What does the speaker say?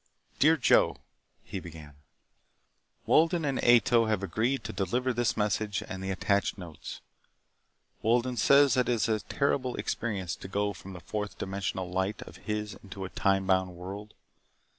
Dear Joe: (he began) Wolden and Ato have agreed to deliver this message and the attached notes. Wolden says that it is a terrible experience to go from the fourth dimensional light of his into a time bound world.